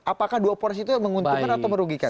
apakah dua poros itu menguntungkan atau merugikan